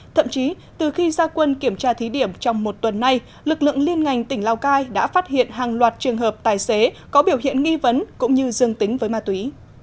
thậm chí từ khi gia quân kiểm tra thí điểm trong một tuần nay lực lượng liên ngành tỉnh lào cai đã phát hiện hàng loạt trường hợp tài xế có biểu hiện nghi vấn cũng như dương tính với ma túy